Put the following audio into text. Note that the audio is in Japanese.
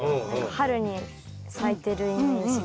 春に咲いてるイメージが。